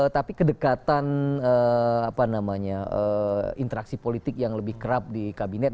tapi kedekatan interaksi politik yang lebih kerap di kabinet